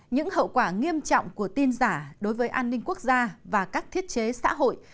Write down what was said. những hậu quả nghiêm trọng của tin giả đối với an ninh quốc gia và các thiết chế xã hội